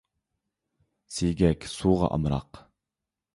سىيگەك سۇغا ئامراق.